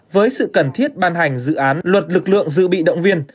với sự cần thiết ban hành dự án luật lực lượng dự bị động viên